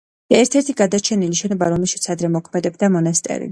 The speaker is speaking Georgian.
ერთ-ერთი გადარჩენილი შენობა, რომელშიც ადრე მოქმედებდა მონასტერი.